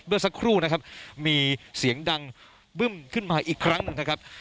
สักครู่นะครับมีเสียงดังบึ้มขึ้นมาอีกครั้งหนึ่งนะครับ